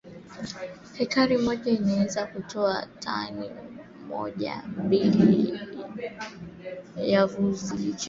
hekari moja inaweza kutoa tani mojambili ya vizi lishe